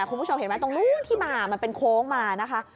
คุณผู้ชมเห็นไหมตรงนู้นที่มามันเป็นโค้งมานะคะ